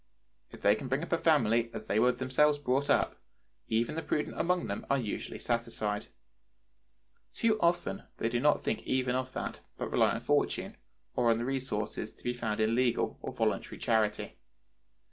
If they can bring up a family as they were themselves brought up, even the prudent among them are usually satisfied. Too often they do not think even of that, but rely on fortune, or on the resources to be found in legal or voluntary charity.